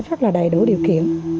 rất là đầy đủ điều kiện